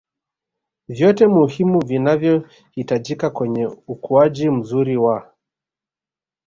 vyote muhimu vinavyohitajika kwenye ukuaji mzuri wa